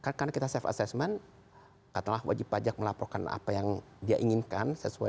karena kita safe assessment katakanlah wajib pajak melaporkan apa yang dia inginkan sesuai